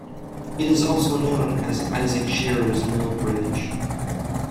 It is also known as Isaac Shearer's Mill Bridge.